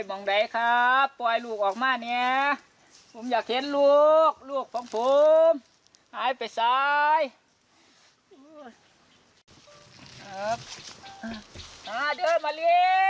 เรียกลูกแม่เรียกลูกแม่